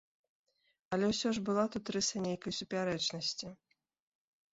Але ўсё ж была тут рыса нейкай супярэчнасці.